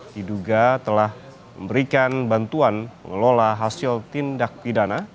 diduga telah memberikan bantuan mengelola hasil tindak pidana